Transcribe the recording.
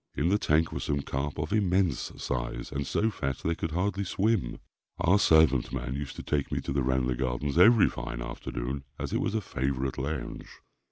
In the tank were some carp of immense size, and so fat they could hardly swim. Our servant man used to take me to the Ranelagh Gardens every fine afternoon, as it was a favourite lounge.